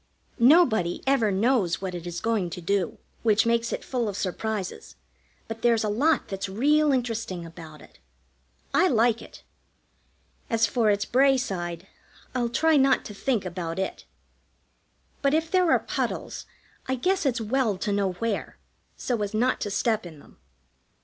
Nobody ever knows what it is going to do, which makes it full of surprises, but there's a lot that's real interesting about it. I like it. As for its Bray side, I'll try not to think about it; but if there are puddles, I guess it's well to know where, so as not to step in them.